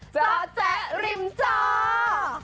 เจ้าแจ๊ะริมเจ้า